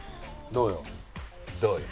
どうよ？